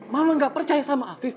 mama tidak percaya sama afidz